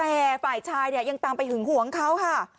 แต่ฝ่ายชายเนี่ยยังตามไปหึงหวงเขาค่ะ